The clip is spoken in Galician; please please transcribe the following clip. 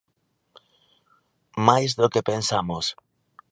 Máis do que pensamos.